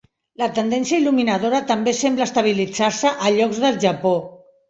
La tendència il·luminadora també sembla estabilitzar-se a llocs del Japó.